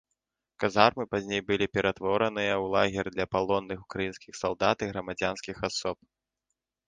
Казармы пазней былі ператвораныя ў лагер для палонных украінскіх салдат і грамадзянскіх асоб.